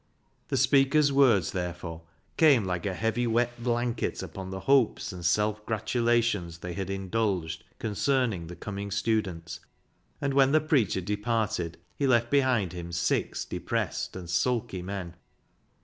The speaker's words, therefore, came like a heavy wet blanket upon the hopes and self gratulations they had indulged concerning the coming student, and when the preacher departed he left behind him six depressed and sulky men.